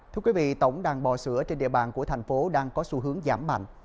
thưa quý vị tổng đàn bò sữa trên địa bàn của thành phố đang có xu hướng giảm mạnh